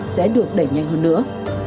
sẽ được đẩy nhanh hơn nữa